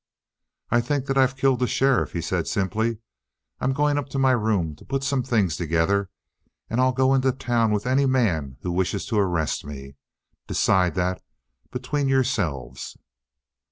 "I think that I've killed the sheriff," he said simply. "I'm going up to my room to put some things together; and I'll go into town with any man who wishes to arrest me. Decide that between yourselves."